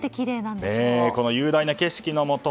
この雄大な景色のもと